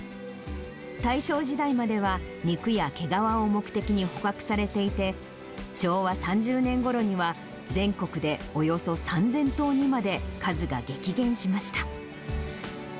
大正時代までは肉や毛皮を目的に捕獲されていて、昭和３０年ごろには、全国でおよそ３０００頭にまで数が激減しました。